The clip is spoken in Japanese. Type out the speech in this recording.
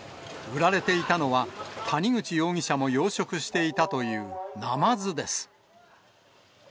売られていたのは、谷口容疑者も養殖していたというナマズです。